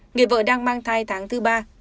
người vợ đang mang thai tháng thứ ba